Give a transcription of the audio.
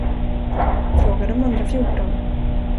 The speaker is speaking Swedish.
Fråga de andra fjorton.